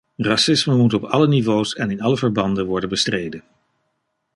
Racisme moet op alle niveaus en in alle verbanden worden bestreden.